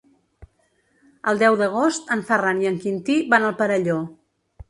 El deu d'agost en Ferran i en Quintí van al Perelló.